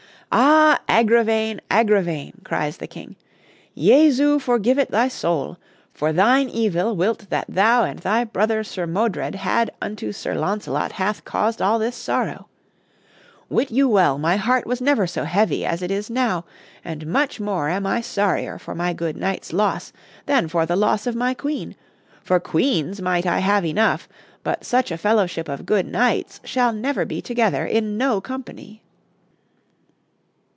"Ah! Agravaine, Agravaine," cries the King, "Jesu forgive it thy soule! for thine evill will that thou and thy brother Sir Modred had unto Sir Launcelot hath caused all this sorrow.... Wit you well my heart was never so heavie as it is now, and much more I am sorrier for my good knights losse than for the losse of my queene, for queenes might I have enough, but such a fellowship of good knightes shall never bee together in no company."